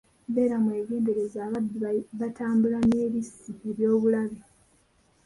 Beera mwegendereze ababbi batambula n'ebissi eb'obulabe.